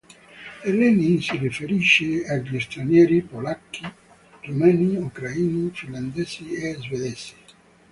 E Lenin si riferisce agli stranieri polacchi, rumeni, ucraini, finlandesi e svedesi.